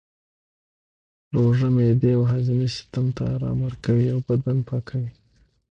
روژه معدې او هاضمې سیستم ته ارام ورکوي او بدن پاکوي